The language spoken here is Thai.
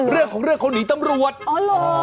เรื่องของเรื่องเขาหนีตำรวจอ๋อเหรอ